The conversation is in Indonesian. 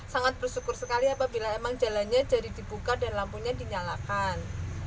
sangat bersyukur sekali apabila emang jalannya jadi dibuka dan lampunya dinyalakan